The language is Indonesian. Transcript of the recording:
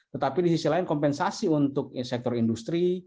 tetapi di sisi lain kompensasi untuk sektor industri